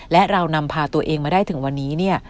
และเรานำพาตัวเองมาได้ถึงวันนี้เนี่ย